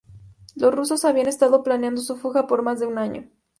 Los rusos habían estado planeando su fuga por más de un año.